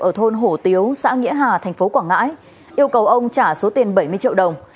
ở thôn hổ tiếu xã nghĩa hà thành phố quảng ngãi yêu cầu ông trả số tiền bảy mươi triệu đồng